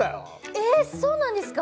えっそうなんですか！